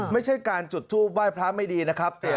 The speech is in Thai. ไม่ใช่การจุดทูปไหว้พระไม่ดีนะครับ